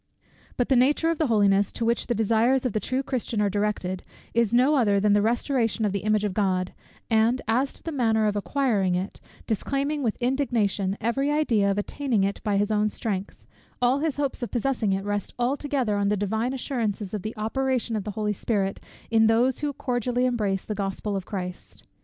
_But the nature of the holiness, to which the desires of the true Christian are directed, is no other than the restoration of the image of God: and as to the manner of acquiring it, disclaiming with indignation every idea of attaining it by his own strength, all his hopes of possessing it rest altogether on the divine assurances of the operation of the Holy Spirit, in those who cordially embrace the Gospel of Christ.